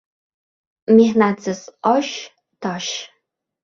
Mehnatsiz osh — tosh.